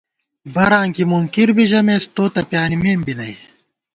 براں کی مُنکِر بی ژِمېس ، تو تہ پیانِمېم بی نئ